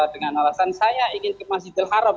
dengan alasan saya ingin ke masjidil haram